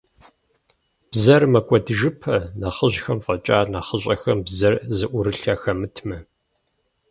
Бзэр мэкӀуэдыжыпэ, нэхъыжьхэм фӀэкӀа, нэхъыщӀэхэм бзэр зыӀурылъ яхэмытмэ.